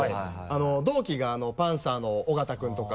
同期がパンサーの尾形君とか。